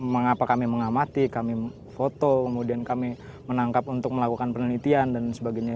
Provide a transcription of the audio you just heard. mengapa kami mengamati kami foto kemudian kami menangkap untuk melakukan penelitian dan sebagainya